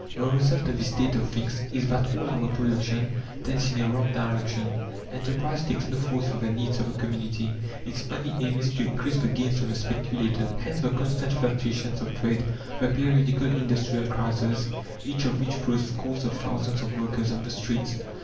The result of this state of things is that all our production tends in a wrong direction. Enterprise takes no thought for the needs of the community. Its only aim is to increase the gains of the speculator. Hence the constant fluctuations of trade, the periodical industrial crises, each of which throws scores of thousands of workers on the streets.